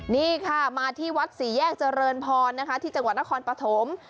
นี่ค่ะมาที่วัดสี่แยกเจริญพรนะคะที่จังหวัดนครปฐม